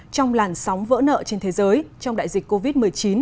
trong làn sóng vỡ nợ trên thế giới trong đại dịch covid một mươi chín